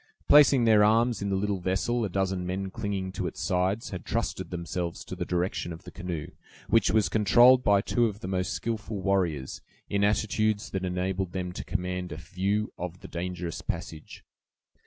Placing their arms in the little vessel a dozen men clinging to its sides had trusted themselves to the direction of the canoe, which was controlled by two of the most skillful warriors, in attitudes that enabled them to command a view of the dangerous passage.